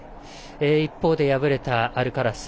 一方で敗れたアルカラス。